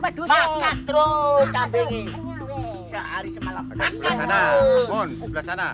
maknya terus tapi sehari semalam penasaran